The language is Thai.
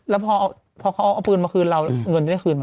แล้วพอเอาพอเขาเอาวะพื้นมาคืนเราเงินได้คืนมา